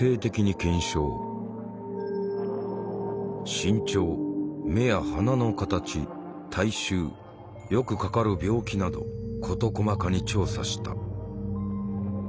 身長目や鼻の形体臭よくかかる病気など事細かに調査した。